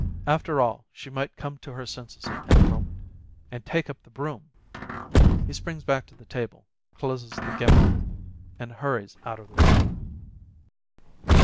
After all, she might come to her senses at any moment, and take up the broom! He springs back to the table, closes the Gemoreh, and hur ries out of the room.